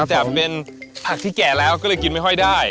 แต่เป็นผักที่แก่แล้วก็เลยกินไม่ค่อยได้